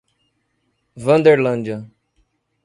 Wanderlândia